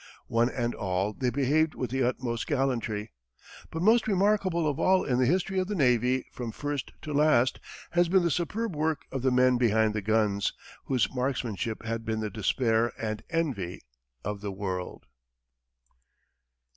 One and all, they behaved with the utmost gallantry. But most remarkable of all in the history of the navy from first to last has been the superb work of the "men behind the guns," whose marksmanship has been the despair and envy of the world.